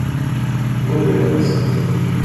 Good riddance